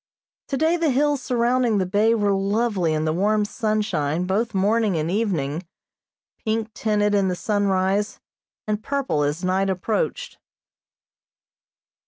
Today the hills surrounding the bay were lovely in the warm sunshine both morning and evening, pink tinted in the sunrise and purple as night approached.